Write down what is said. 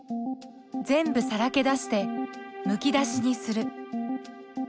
全部さらけ出してむき出しにする。